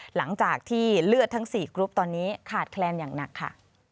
หลังจากที่เลือดทั้ง๔กรุ๊ปตอนนี้ขาดแคลนอย่างหนักค่ะ